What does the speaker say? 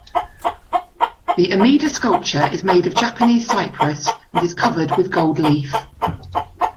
The Amida sculpture is made of Japanese cypress and is covered with gold leaf.